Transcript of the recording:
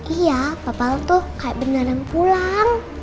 iya papa tuh kayak beneran pulang